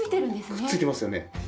くっついてますよね。